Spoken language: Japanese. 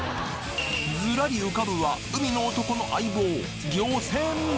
ズラリ浮かぶは海の男の相棒漁船！